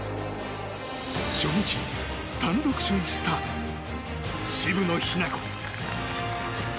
初日、単独首位スタート渋野日向子。